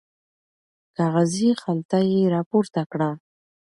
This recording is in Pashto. کاغذي خلطه یې راپورته کړه.